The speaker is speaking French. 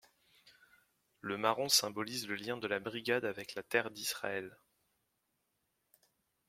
Le marron symbolise le lien de la brigade avec la terre d'Israël.